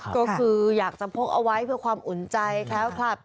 ก็คืออยากจะพกเอาไว้ไว้เพื่อความอุ่นใจค่ะ